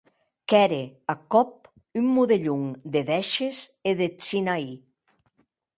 Qu’ère ath còp un modelhon de dèishes e eth Sinaí.